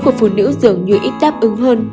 của phụ nữ dường như ít đáp ứng hơn